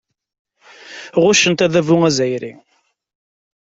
Ɣuccent adabu azzayri.